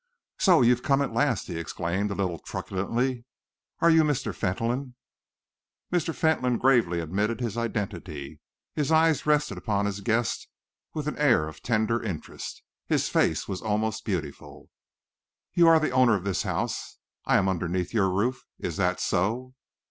"So you've come at last!" he exclaimed, a little truculently. "Are you Mr. Fentolin?" Mr. Fentolin gravely admitted his identity. His eyes rested upon his guest with an air of tender interest. His face was almost beautiful. "You are the owner of this house I am underneath your roof is that so?"